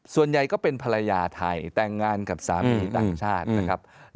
ส่วนใหญ่ก็เป็นภรรยาไทยแต่งงานกับสามีต่างชาตินะครับ